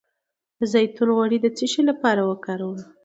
د زیتون غوړي د څه لپاره وکاروم؟